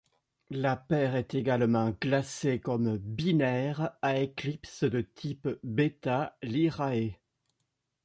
La paire est également classée comme binaire à éclipses de type Beta Lyrae.